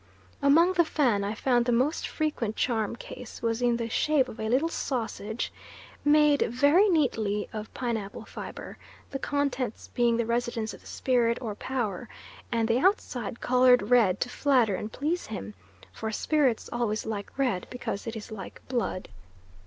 Among the Fan I found the most frequent charm case was in the shape of a little sausage, made very neatly of pineapple fibre, the contents being the residence of the spirit or power, and the outside coloured red to flatter and please him for spirits always like red because it is like blood.